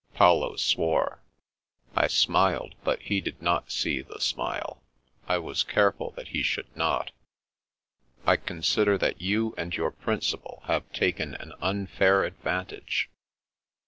Paolo swore. I smiled; but he did not see the smile. I was careful that he should not "I consider that you and your principal have taken an unfair advantage."